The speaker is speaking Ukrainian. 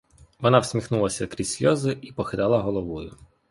Вона всміхнулася крізь сльози і похитала головою.